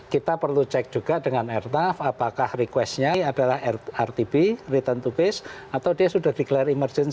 kita perlu cek juga dengan airtaf apakah requestnya adalah rtb return to base atau dia sudah declare emergency